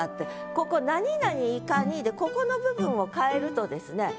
ここ「何々如何に」でここの部分を変えるとですね